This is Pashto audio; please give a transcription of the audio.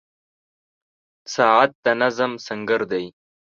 • ساعت د نظم سنګر دی.